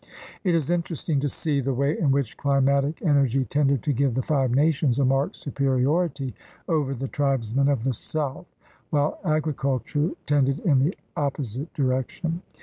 It is interesting to see the way in which climatic energy tended to give the Five Nations a marked superiority over the tribesmen of the South, while agriculture tended in the opposite direction.